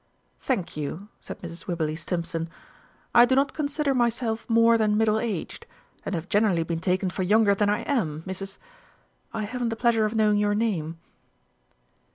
"Thank you," said Mrs. Wibberley Stimpson. "I do not consider myself more than middle aged, and have generally been taken for younger than I am, Mrs. , I haven't the pleasure of knowing your name."